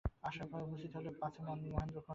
আশার ভয় উপস্থিত হইল, পাছে মহেন্দ্র পরীক্ষা করে।